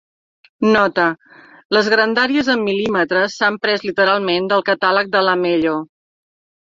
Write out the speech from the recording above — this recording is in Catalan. Nota: les grandàries en mil·límetres s'han pres literalment del catàleg de Lamello.